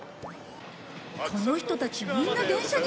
この人たちみんな電車に乗るの？